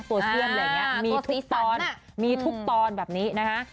ตัวเชื่อมอะไรอย่างนี้มีทุกปอนแบบนี้นะคะ